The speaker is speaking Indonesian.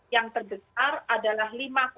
yang terbesar adalah lima tiga